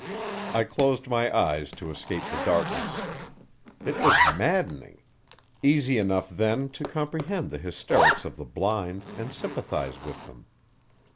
I closed my eyes to escape the darkness. It was maddening; easy enough then to comprehend the hysterics of the blind and sympathize with them.